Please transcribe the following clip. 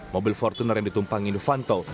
mobil fortuner yang ditumpangi novanto